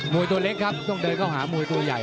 วยตัวเล็กครับต้องเดินเข้าหามวยตัวใหญ่